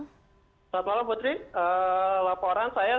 selamat malam putri laporan saya